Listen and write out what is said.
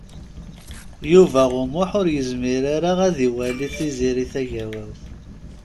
Yuba U Muḥ ur yezmir ara ad iwali Tiziri Tagawawt.